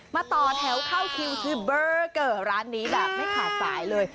ต่อแถวเข้าคิวที่เบอร์เกอร์ร้านนี้แบบไม่ขาดสายเลย